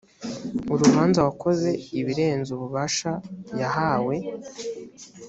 urubanza wakoze ibirenze ububasha yahawe